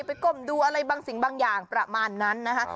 ก้มดูอะไรบางสิ่งบางอย่างประมาณนั้นนะคะ